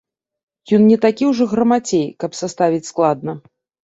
Ён не такі ўжо грамацей, каб саставіць складна.